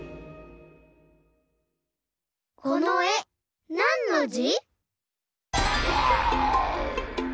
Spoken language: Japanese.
このえなんのじ？